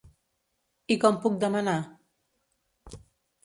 I com puc demanar?